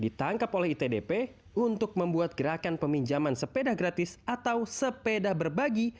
ditangkap oleh itdp untuk membuat gerakan peminjaman sepeda gratis atau sepeda berbagi